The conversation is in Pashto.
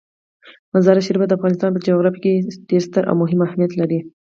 مزارشریف د افغانستان په جغرافیه کې ډیر ستر او مهم اهمیت لري.